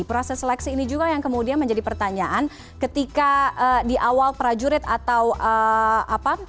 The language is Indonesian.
proses seleksi ini juga yang kemudian menjadi pertanyaan ketika di awal prajurit atau apa